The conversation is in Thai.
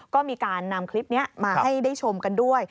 ก็มีการนำคลิปนี้มาให้ได้ชมกันด้วย